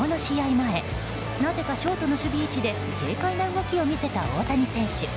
前なぜかショートの守備位置で軽快な動きを見せた大谷選手。